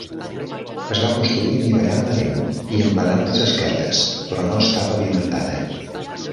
Es va construir anivellant la neu i emplenant les esquerdes, però no està pavimentada.